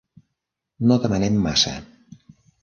No demanem massa.